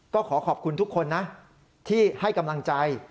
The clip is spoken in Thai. ก็ขอขอบคุณทุกคนนะที่ให้กำลังใจ